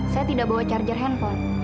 saya tidak bawa charger handphone